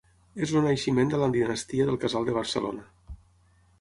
És el naixement de la dinastia del Casal de Barcelona.